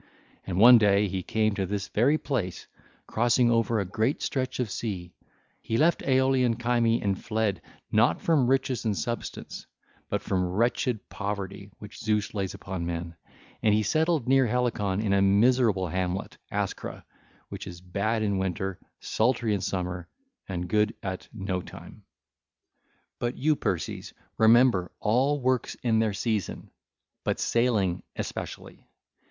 And one day he came to this very place crossing over a great stretch of sea; he left Aeolian Cyme and fled, not from riches and substance, but from wretched poverty which Zeus lays upon men, and he settled near Helicon in a miserable hamlet, Ascra, which is bad in winter, sultry in summer, and good at no time. (ll. 641 645) But you, Perses, remember all works in their season but sailing especially.